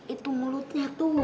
itu mulutnya tuh